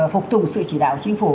phục tùng sự chỉ đạo của chính phủ